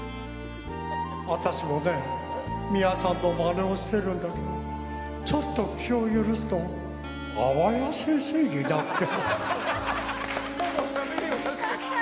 私もね美輪さんのマネをしてるんだけどちょっと気を許すと淡谷先生になって。